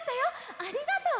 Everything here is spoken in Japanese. ありがとう！